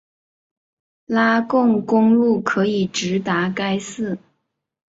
拉贡公路可以直达该寺。